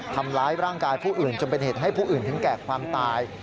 ทำร้ายร่างกายผู้อื่นจนเป็นเหตุให้ผู้อื่นถึงแก่ความตาย